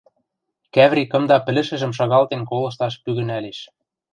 — Кӓври кымда пӹлӹшӹжӹм шагалтен колышташ пӱгӹнӓлеш.